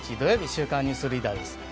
「週刊ニュースリーダー」です。